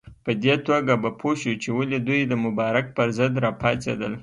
په دې توګه به پوه شو چې ولې دوی د مبارک پر ضد راپاڅېدل.